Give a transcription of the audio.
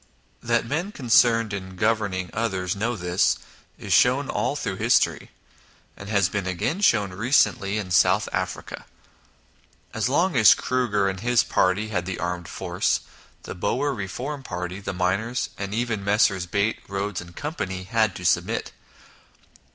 That men concerned in governing others know this, is shown all through history, and has been again shown recently in South Africa. As long as Kruger and his party had the armed force, the Boer reform party, the miners, and even Messrs. Beit, Ehodes, & Co., had to submit.